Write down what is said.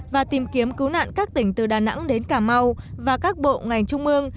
và tìm kiếm cứu nạn các tỉnh từ đà nẵng đến cà mau và các bộ ngành trung ương